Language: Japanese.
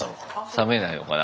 覚めないのかな